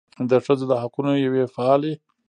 د ښځو د حقونو یوې فعالې